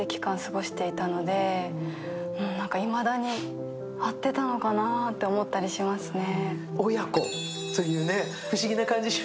いまだに、合ってたのかなって思ったりしますね。